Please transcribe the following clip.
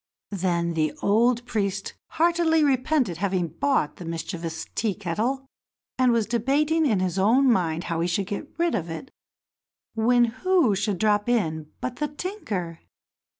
Then the old priest heartily repented having bought the mischievous Tea kettle, and was debating in his own mind how he should get rid of it when who should drop in but the tinker?